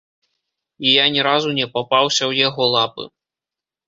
І я ні разу не папаўся ў яго лапы.